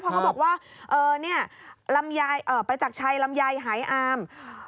เพราะเขาบอกว่าประจักรชัยลำไยหายอาม